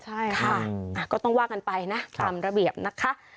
ใช่ค่ะก็ต้องว่ากันไปนะตามระเบียบนะคะ